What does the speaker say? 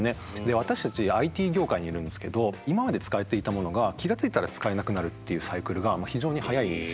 私たちＩＴ業界にいるんですけど今まで使われていたものが気が付いたら使えなくなるっていうサイクルが非常に速いんですよね。